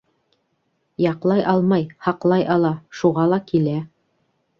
Яҡлай алмай, һаҡлай ала, шуға ла килә.